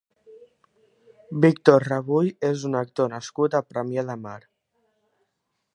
Víctor Rebull és un actor nascut a Premià de Mar.